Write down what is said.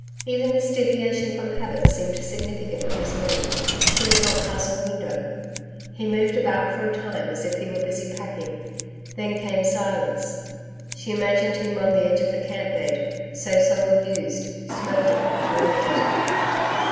Even this deviation from habit seemed significant of his mood he would not pass her window. He moved about for a time as if he were busy packing. Then came silence. She imagined him on the edge of the camp bed, so seldom used, smoking and ruminating.